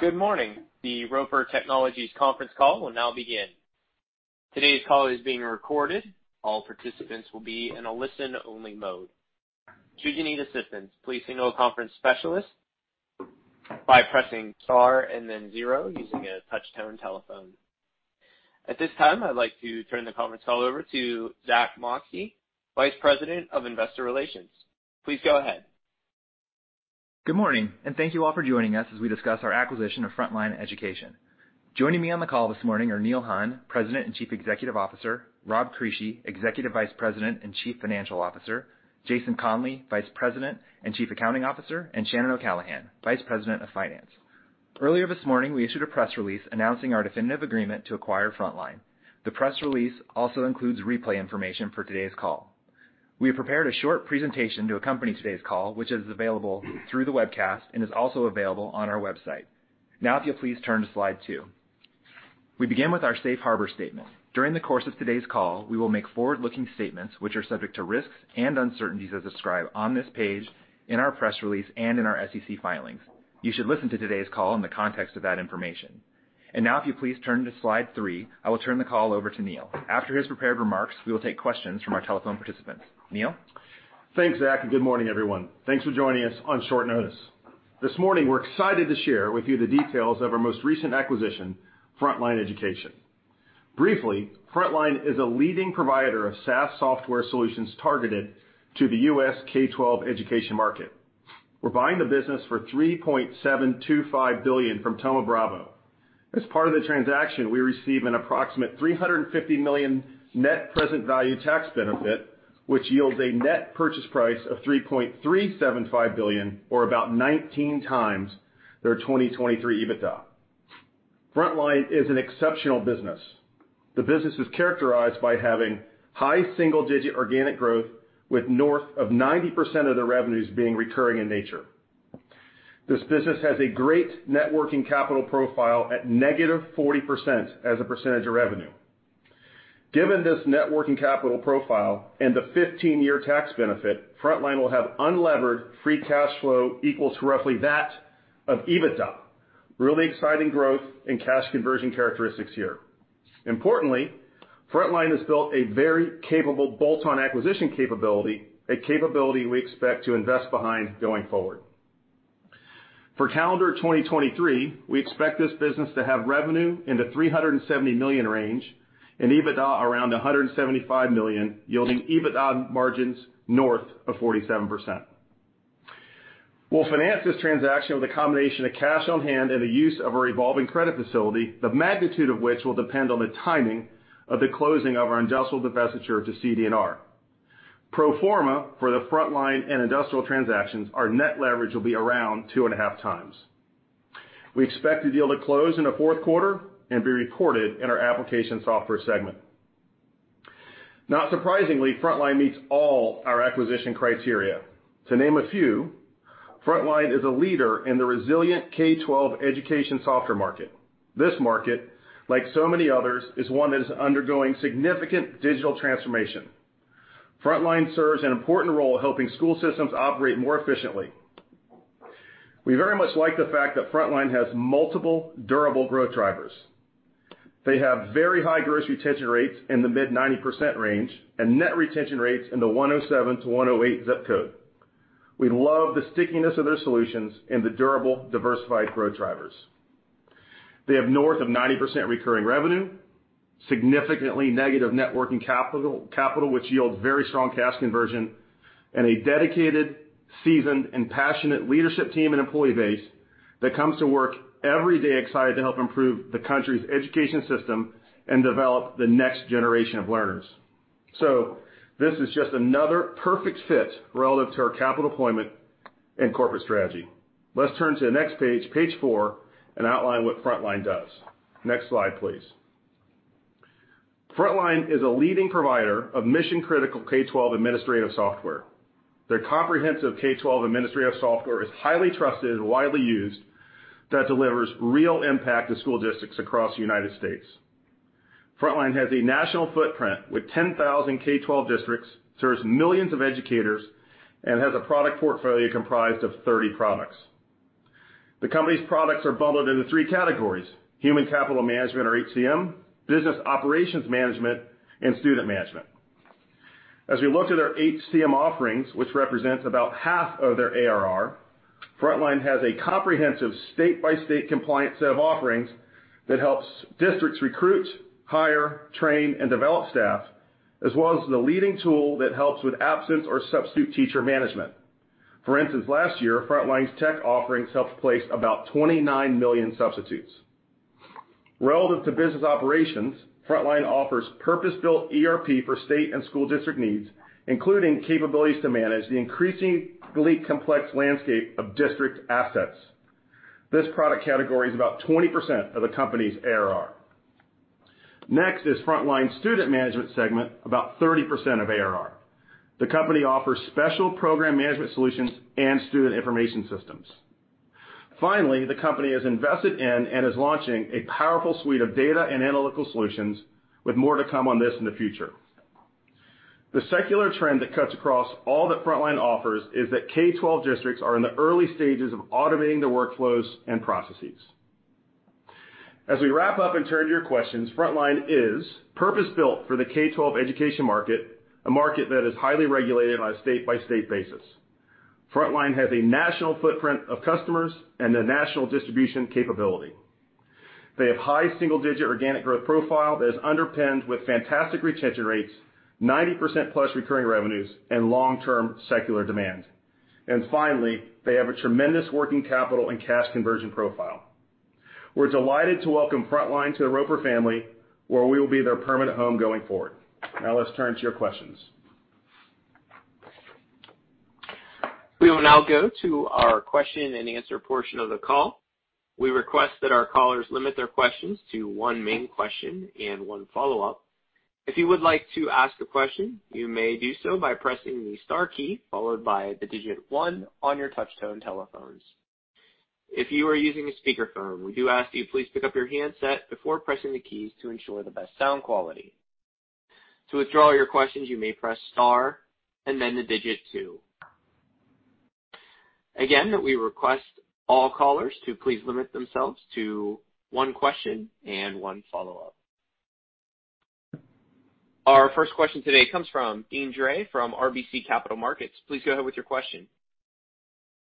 Good morning. The Roper Technologies conference call will now begin. Today's call is being recorded. All participants will be in a listen-only mode. Should you need assistance, please signal a conference specialist by pressing star and then zero using a touch-tone telephone. At this time, I'd like to turn the conference call over to Zack Moxcey, Vice President of Investor Relations. Please go ahead. Good morning, and thank you all for joining us as we discuss our acquisition of Frontline Education. Joining me on the call this morning are Neil Hunn, President and Chief Executive Officer, Rob Crisci, Executive Vice President and Chief Financial Officer, Jason Conley, Vice President and Chief Accounting Officer, and Shannon O'Callaghan, Vice President of Finance. Earlier this morning, we issued a press release announcing our definitive agreement to acquire Frontline. The press release also includes replay information for today's call. We have prepared a short presentation to accompany today's call, which is available through the webcast and is also available on our website. Now, if you'll please turn to slide two. We begin with our safe harbor statement. During the course of today's call, we will make forward-looking statements, which are subject to risks and uncertainties as described on this page, in our press release, and in our SEC filings. You should listen to today's call in the context of that information. Now, if you please turn to slide three, I will turn the call over to Neil. After his prepared remarks, we will take questions from our telephone participants. Neil? Thanks, Zach, and good morning, everyone. Thanks for joining us on short notice. This morning, we're excited to share with you the details of our most recent acquisition, Frontline Education. Briefly, Frontline is a leading provider of SaaS software solutions targeted to the U.S. K-12 education market. We're buying the business for $3.725 billion from Thoma Bravo. As part of the transaction, we receive an approximate $350 million net present value tax benefit, which yields a net purchase price of $3.375 billion or about 19x their 2023 EBITDA. Frontline is an exceptional business. The business is characterized by having high single-digit organic growth with north of 90% of their revenues being recurring in nature. This business has a great net working capital profile at negative 40% as a percentage of revenue. Given this networking capital profile and the 15-year tax benefit, Frontline will have unlevered free cash flow equal to roughly that of EBITDA. Really exciting growth and cash conversion characteristics here. Importantly, Frontline has built a very capable bolt-on acquisition capability, a capability we expect to invest behind going forward. For calendar 2023, we expect this business to have revenue in the $370 million range and EBITDA around $175 million, yielding EBITDA margins north of 47%. We'll finance this transaction with a combination of cash on hand and the use of our revolving credit facility, the magnitude of which will depend on the timing of the closing of our industrial divestiture to CD&R. Pro forma for the Frontline and industrial transactions, our net leverage will be around 2.5 times. We expect the deal to close in the fourth quarter and be recorded in our application software segment. Not surprisingly, Frontline meets all our acquisition criteria. To name a few, Frontline is a leader in the resilient K-12 education software market. This market, like so many others, is one that is undergoing significant digital transformation. Frontline serves an important role helping school systems operate more efficiently. We very much like the fact that Frontline has multiple durable growth drivers. They have very high gross retention rates in the mid-90% range and net retention rates in the 107%-108% zip code. We love the stickiness of their solutions and the durable, diversified growth drivers. They have north of 90% recurring revenue, significantly negative networking capital which yields very strong cash conversion, and a dedicated, seasoned, and passionate leadership team and employee base that comes to work every day excited to help improve the country's education system and develop the next generation of learners. This is just another perfect fit relative to our capital deployment and corporate strategy. Let's turn to the next page four, and outline what Frontline does. Next slide, please. Frontline is a leading provider of mission-critical K-12 administrative software. Their comprehensive K-12 administrative software is highly trusted and widely used that delivers real impact to school districts across the United States. Frontline has a national footprint with 10,000 K-12 districts, serves millions of educators, and has a product portfolio comprised of 30 products. The company's products are bundled into three categories: human capital management or HCM, business operations management, and student management. As we look to their HCM offerings, which represents about half of their ARR, Frontline has a comprehensive state-by-state compliance set of offerings that helps districts recruit, hire, train, and develop staff, as well as the leading tool that helps with absence or substitute teacher management. For instance, last year, Frontline's tech offerings helped place about 29 million substitutes. Relative to business operations, Frontline offers purpose-built ERP for state and school district needs, including capabilities to manage the increasingly complex landscape of district assets. This product category is about 20% of the company's ARR. Next is Frontline Student Management segment, about 30% of ARR. The company offers special program management solutions and student information systems. Finally, the company has invested in and is launching a powerful suite of data and analytical solutions with more to come on this in the future. The secular trend that cuts across all that Frontline offers is that K-12 districts are in the early stages of automating their workflows and processes. As we wrap up and turn to your questions, Frontline is purpose-built for the K-12 education market, a market that is highly regulated on a state-by-state basis. Frontline has a national footprint of customers and a national distribution capability. They have high single-digit organic growth profile that is underpinned with fantastic retention rates, 90% plus recurring revenues, and long-term secular demand. Finally, they have a tremendous working capital and cash conversion profile. We're delighted to welcome Frontline to the Roper family, where we will be their permanent home going forward. Now let's turn to your questions. We will now go to our question-and-answer portion of the call. We request that our callers limit their questions to one main question and one follow-up. If you would like to ask a question, you may do so by pressing the star key followed by the digit one on your touch-tone telephones. If you are using a speakerphone, we do ask you please pick up your handset before pressing the keys to ensure the best sound quality. To withdraw your questions, you may press star and then the digit two. Again, we request all callers to please limit themselves to one question and one follow-up. Our first question today comes from Deane Dray from RBC Capital Markets. Please go ahead with your question.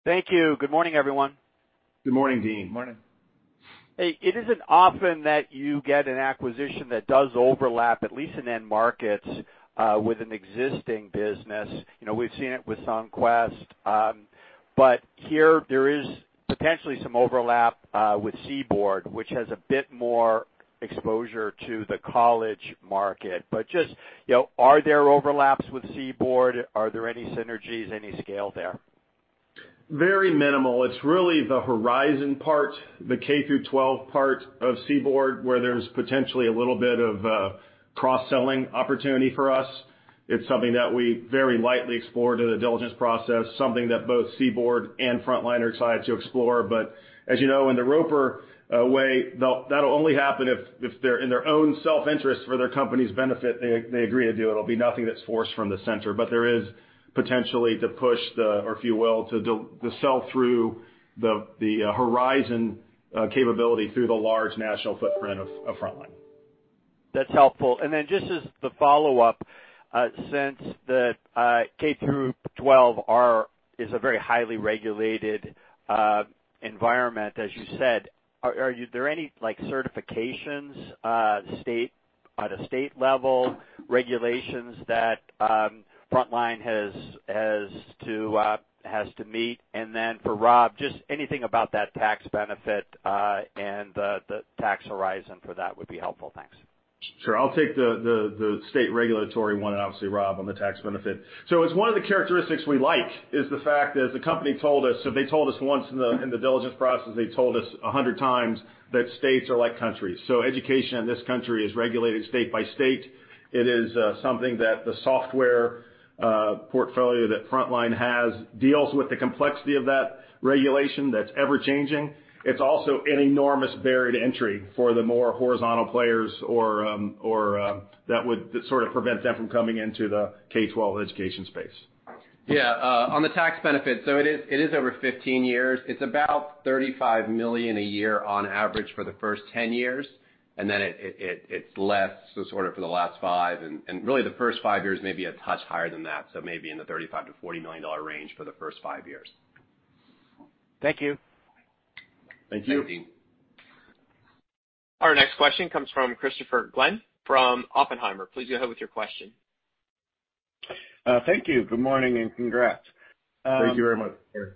Thank you. Good morning, everyone. Good morning, Deane. Morning. Hey, it isn't often that you get an acquisition that does overlap, at least in end markets, with an existing business. You know, we've seen it with Clinisys. Here there is potentially some overlap with CBORD, which has a bit more exposure to the college market. Just, you know, are there overlaps with CBORD? Are there any synergies, any scale there? Very minimal. It's really the Horizon part, the K-12 part of CBORD, where there's potentially a little bit of cross-selling opportunity for us. It's something that we very lightly explored in the diligence process, something that both CBORD and Frontline are excited to explore. As you know, in the Roper way, that'll only happen if they're in their own self-interest for their company's benefit, they agree to do it. It'll be nothing that's forced from the center. There is potential to push the Horizon, or if you will, to the sell-through the Horizon capability through the large national footprint of Frontline. That's helpful. Just as the follow-up, since the K-12 is a very highly regulated environment, as you said, are there any like certifications at a state level, regulations that Frontline has to meet? For Rob, just anything about that tax benefit, and the tax horizon for that would be helpful. Thanks. Sure. I'll take the state regulatory one, and obviously Rob on the tax benefit. It's one of the characteristics we like is the fact that the company told us, they told us once in the diligence process, they told us 100 times that states are like countries. Education in this country is regulated state by state. It is something that the software portfolio that Frontline has deals with the complexity of that regulation that's ever-changing. It's also an enormous barrier to entry for the more horizontal players or that sort of prevents them from coming into the K-12 education space. Yeah, on the tax benefit, it is over 15 years. It's about $35 million a year on average for the first 10 years, and then it's less so sort of for the last five. Really, the first five years may be a touch higher than that, so maybe in the $35 million-$40 million dollar range for the first five years. Thank you. Thank you. Thank you, Deane. Our next question comes from Christopher Glynn from Oppenheimer. Please go ahead with your question. Thank you. Good morning, and congrats. Thank you very much, Chris.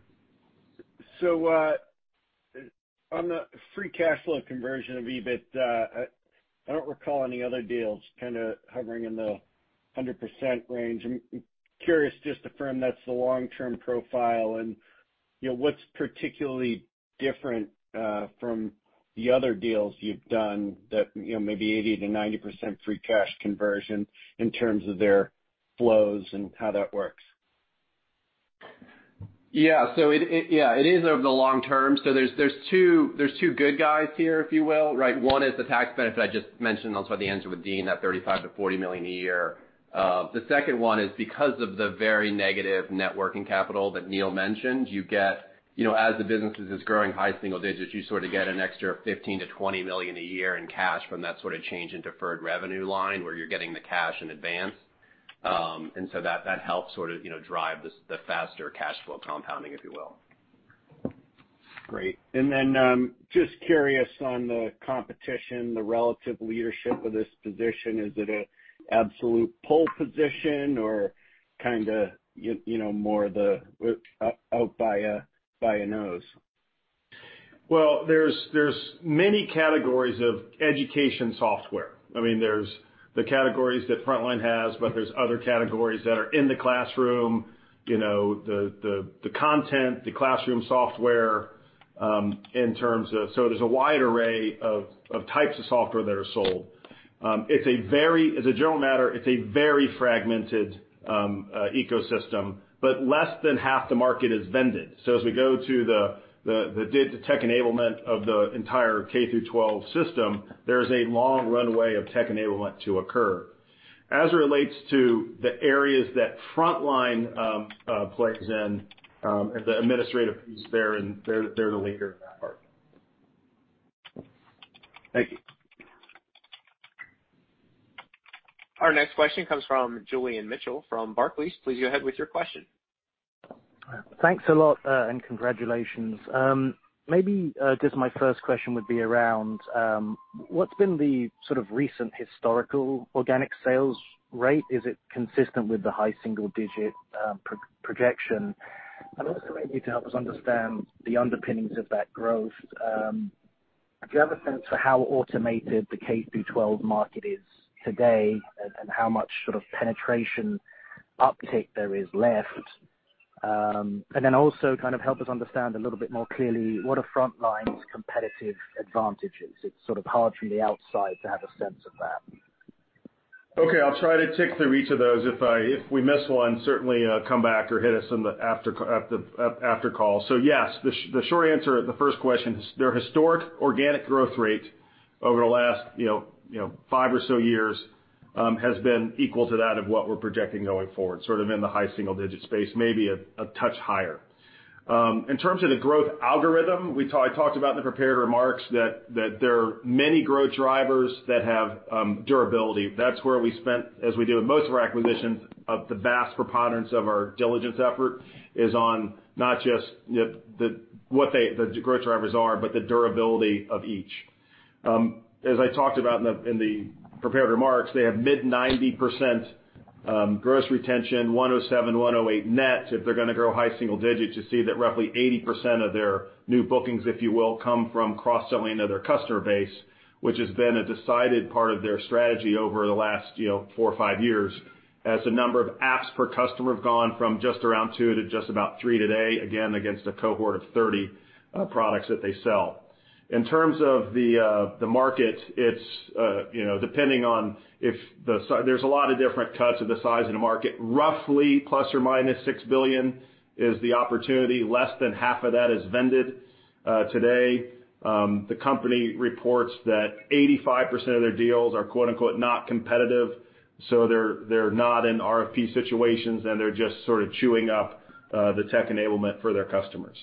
On the free cash flow conversion of EBIT, I don't recall any other deals kinda hovering in the 100% range. I'm curious just to affirm that's the long-term profile and, you know, what's particularly different from the other deals you've done that, you know, may be 80%-90% free cash conversion in terms of their flows and how that works. Yeah. It is over the long term. There are two good guys here, if you will, right? One is the tax benefit I just mentioned, as the answer with Deane, that $35 million-$40 million a year. The second one is because of the very negative net working capital that Neil mentioned. You get, you know, as the business is growing high single digits, you sort of get an extra $15 million-$20 million a year in cash from that sort of change in deferred revenue line where you're getting the cash in advance. That helps sort of, you know, drive this, the faster cash flow compounding, if you will. Great. Just curious on the competition, the relative leadership of this position. Is it an absolute pole position or kinda, you know, more out by a nose? Well, there's many categories of education software. I mean, there's the categories that Frontline has, but there's other categories that are in the classroom, you know, the content, the classroom software. In terms of, so there's a wide array of types of software that are sold. As a general matter, it's a very fragmented ecosystem, but less than half the market is vended. As we go to the tech enablement of the entire K-12 system, there is a long runway of tech enablement to occur. As it relates to the areas that Frontline plays in, the administrative piece there, and they're the leader in that part. Thank you. Our next question comes from Julian Mitchell from Barclays. Please go ahead with your question. Thanks a lot, and congratulations. Maybe just my first question would be around what's been the sort of recent historical organic sales rate? Is it consistent with the high single-digit pro forma projection? Maybe to help us understand the underpinnings of that growth, do you have a sense for how automated the K-12 market is today and how much sort of penetration uptake there is left? Then also kind of help us understand a little bit more clearly what are Frontline's competitive advantages? It's sort of hard from the outside to have a sense of that. Okay, I'll try to tick through each of those. If we miss one, certainly, come back or hit us in the after call. Yes, the short answer, the first question is their historic organic growth rate over the last, you know, five or so years, has been equal to that of what we're projecting going forward, sort of in the high single digit space, maybe a touch higher. In terms of the growth algorithm, I talked about in the prepared remarks that there are many growth drivers that have durability. That's where we spent, as we do with most of our acquisitions, of the vast preponderance of our diligence effort is on not just what the growth drivers are, but the durability of each. As I talked about in the prepared remarks, they have mid-90% gross retention, 107%-108% net. If they're gonna grow high single digits, you see that roughly 80% of their new bookings, if you will, come from cross-selling of their customer base, which has been a decided part of their strategy over the last, you know, four or five years, as the number of apps per customer have gone from just around two to just about three today, again, against a cohort of 30 products that they sell. In terms of the market, it's, you know, depending on if there's a lot of different cuts of the size of the market. Roughly ±$6 billion is the opportunity. Less than half of that is vended today. The company reports that 85% of their deals are, quote-unquote, "not competitive." They're not in RFP situations, and they're just sort of chewing up the tech enablement for their customers.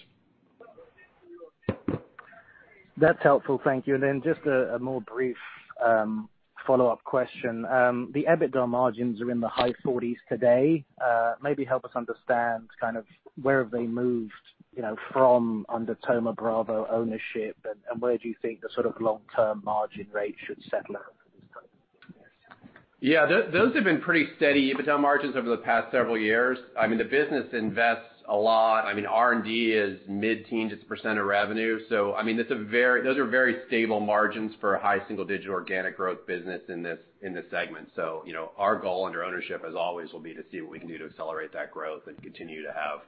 That's helpful, thank you. Just a more brief follow-up question. The EBITDA margins are in the high 40s% today. Maybe help us understand kind of where have they moved, you know, from under Thoma Bravo ownership, and where do you think the sort of long-term margin rate should settle out at this point? Yeah. Those have been pretty steady EBITDA margins over the past several years. I mean, the business invests a lot. I mean, R&D is mid-teens % of revenue. Those are very stable margins for a high single-digit% organic growth business in this segment. You know, our goal under ownership, as always, will be to see what we can do to accelerate that growth and continue to have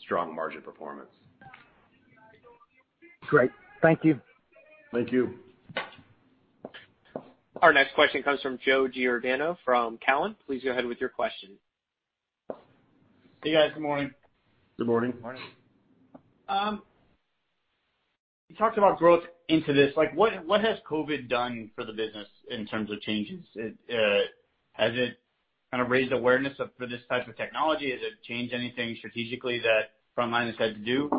strong margin performance. Great. Thank you. Thank you. Our next question comes from Joe Giordano from TD Cowen. Please go ahead with your question. Hey, guys. Good morning. Good morning. Morning. You talked about growth into this. Like, what has COVID done for the business in terms of changes? Has it kind of raised awareness of, for this type of technology? Has it changed anything strategically that Frontline has had to do?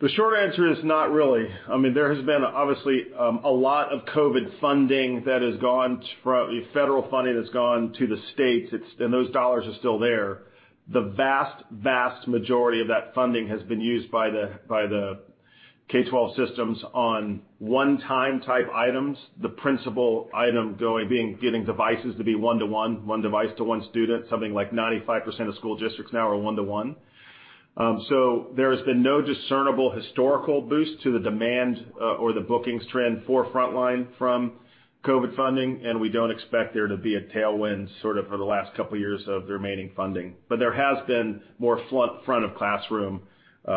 The short answer is not really. I mean, there has been obviously a lot of COVID funding that has gone federal funding that's gone to the states. It's, and those dollars are still there. The vast majority of that funding has been used by the K-12 systems on one-time type items, the principal item being getting devices to be one-to-one, one device to one student. Something like 95% of school districts now are one-to-one. So there's been no discernible historical boost to the demand or the bookings trend for Frontline from COVID funding, and we don't expect there to be a tailwind sort of for the last couple of years of the remaining funding. There has been more front of classroom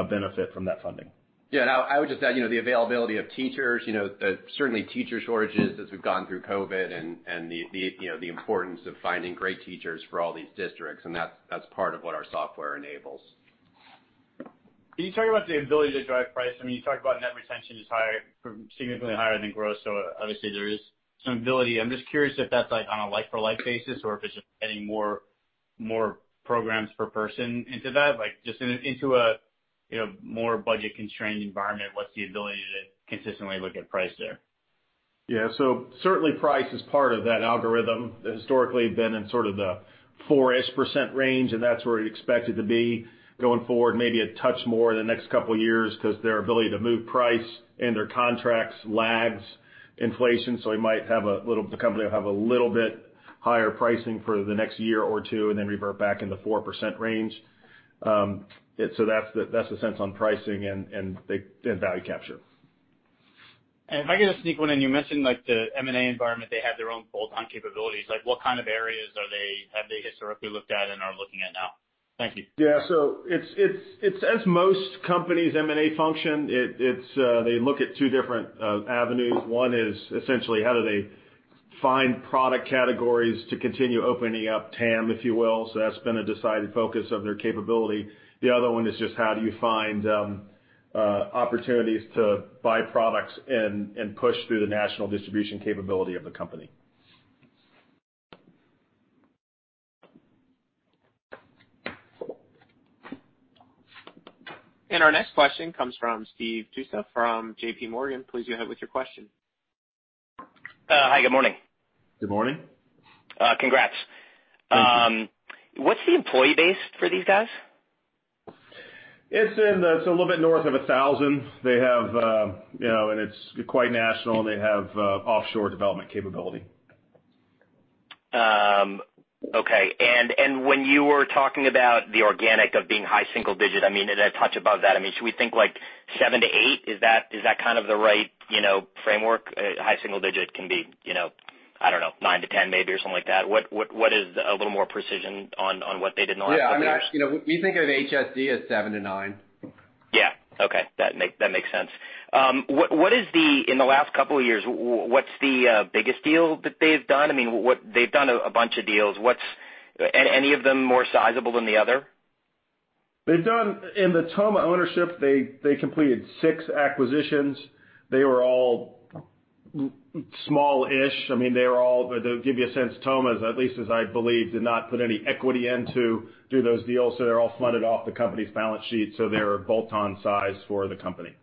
benefit from that funding. Yeah. I would just add, you know, the availability of teachers, you know, certainly teacher shortages as we've gone through COVID and the, you know, the importance of finding great teachers for all these districts, and that's part of what our software enables. Can you talk about the ability to drive price? I mean, you talked about net retention is higher, significantly higher than growth, so obviously there is some ability. I'm just curious if that's like on a like for like basis or if it's getting more programs per person into that. Like, just into a, you know, more budget-constrained environment, what's the ability to consistently look at price there? Yeah. Certainly price is part of that algorithm. Historically, been in sort of the 4-ish % range, and that's where we expect it to be going forward, maybe a touch more in the next couple of years 'cause their ability to move price and their contracts lags inflation. The company will have a little bit higher pricing for the next year or two and then revert back in the 4% range. That's the sense on pricing and value capture. If I get a sneak one in, you mentioned like the M&A environment, they have their own bolt-on capabilities. Like what kind of areas have they historically looked at and are looking at now? Thank you. Yeah, it's as most companies' M&A function, they look at two different avenues. One is essentially how do they find product categories to continue opening up TAM, if you will. That's been a decided focus of their capability. The other one is just how do you find opportunities to buy products and push through the national distribution capability of the company. Our next question comes from Steve Tusa from J.P. Morgan. Please go ahead with your question. Hi, good morning. Good morning. Congrats. Thank you. What's the employee base for these guys? It's a little bit north of 1,000. They have, you know, and it's quite national, and they have offshore development capability. Okay, when you were talking about the organic growth being high single digit, I mean, and a touch above that, I mean, should we think like 7%-8%? Is that kind of the right, you know, framework? High single digit can be, you know, I don't know, 9%-10% maybe or something like that. What is a little more precision on what they did in the last couple years? Yeah. You know, we think of an HSD as seven to nine. Yeah. Okay. That makes sense. In the last couple of years, what's the biggest deal that they've done? I mean, they've done a bunch of deals. Any of them more sizable than the other? In the Thoma Bravo ownership, they completed six acquisitions. They were all small-ish. I mean, to give you a sense, Thoma Bravo's, at least as I believe, did not put any equity into those deals, so they're all funded off the company's balance sheet, so they were bolt-on size for the company.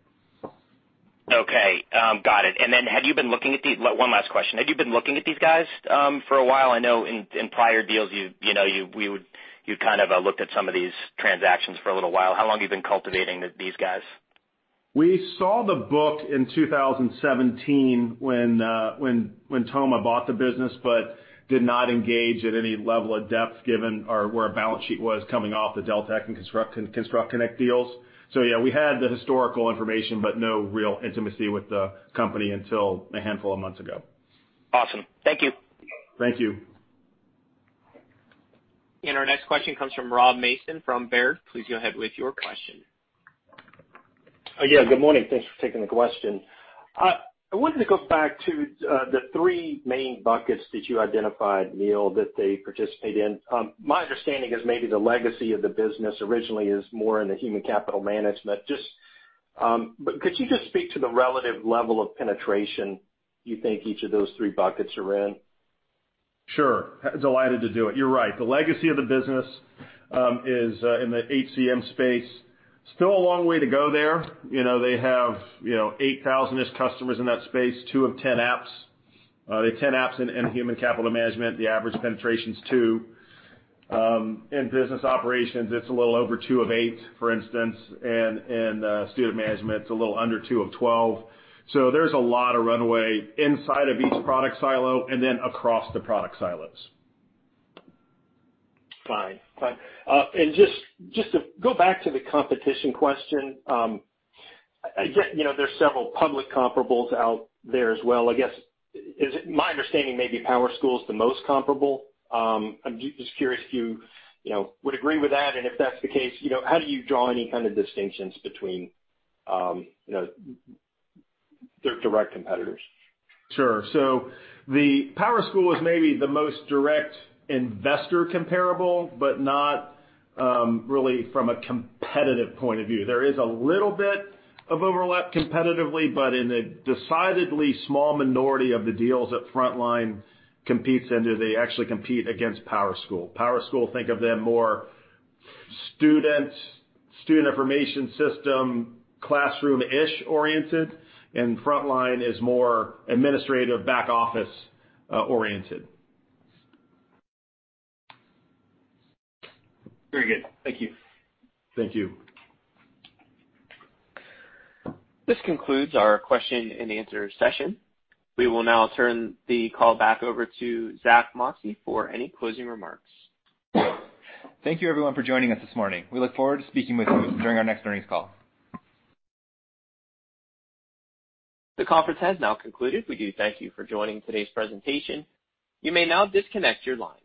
Okay. Got it. One last question. Have you been looking at these guys for a while? I know in prior deals, you know, you kind of looked at some of these transactions for a little while. How long have you been cultivating these guys? We saw the book in 2017 when Thoma bought the business, but did not engage at any level of depth given where our balance sheet was coming off the Deltek and ConstructConnect deals. Yeah, we had the historical information, but no real intimacy with the company until a handful of months ago. Awesome. Thank you. Thank you. Our next question comes from Rob Mason from Baird. Please go ahead with your question. Yeah, good morning. Thanks for taking the question. I wanted to go back to the three main buckets that you identified, Neil, that they participate in. My understanding is maybe the legacy of the business originally is more in the human capital management. Could you just speak to the relative level of penetration you think each of those three buckets are in? Sure. Delighted to do it. You're right. The legacy of the business is in the HCM space. Still a long way to go there. You know, they have, you know, 8,000-ish customers in that space, two of 10 apps. They have 10 apps in human capital management. The average penetration is two. In business operations, it's a little over two of eight, for instance. Student management, it's a little under two of 12. There's a lot of runway inside of each product silo and then across the product silos. Fine. Fine. Just to go back to the competition question, again, you know, there's several public comparables out there as well. I guess, is it my understanding maybe PowerSchool is the most comparable. I'm just curious if you know, would agree with that. If that's the case, you know, how do you draw any kind of distinctions between, you know, their direct competitors? Sure. The PowerSchool is maybe the most direct investor comparable, but not really from a competitive point of view. There is a little bit of overlap competitively, but in a decidedly small minority of the deals that Frontline competes into, they actually compete against PowerSchool. PowerSchool, think of them more student information system, classroom-ish oriented, and Frontline is more administrative back office oriented. Very good. Thank you. Thank you. This concludes our question and answer session. We will now turn the call back over to Zack Moxcey for any closing remarks. Thank you everyone for joining us this morning. We look forward to speaking with you during our next earnings call. The conference has now concluded. We do thank you for joining today's presentation. You may now disconnect your lines.